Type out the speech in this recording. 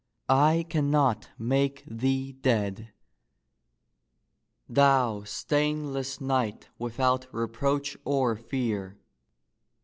I cannot make thee dead ! Thou stainless knight without reproach or fear